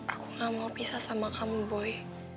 aku gak mau pisah sama kamu boy